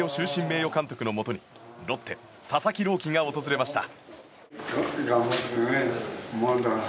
名誉監督のもとにロッテ、佐々木朗希が訪れました。